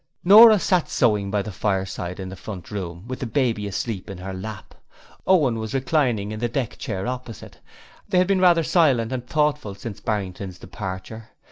Nora sat sewing by the fireside in the front room, with the baby asleep in her lap. Owen was reclining in the deck chair opposite. They had both been rather silent and thoughtful since Barrington's departure.